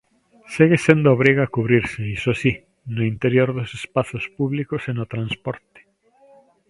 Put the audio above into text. Segue sendo obriga cubrirse, iso si, no interior dos espazos públicos e no transporte.